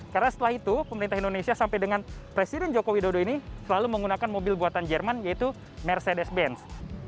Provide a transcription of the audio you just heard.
karena setelah itu pemerintah indonesia sampai dengan presiden joko widodo ini selalu menggunakan mobil buatan jerman yaitu mercedes benz